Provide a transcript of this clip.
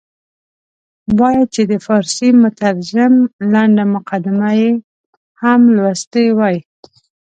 باید چې د فارسي مترجم لنډه مقدمه یې هم لوستې وای.